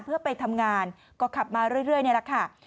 เพื่อไปทำงานก็ขับมาเรื่อยนี่แหละค่ะ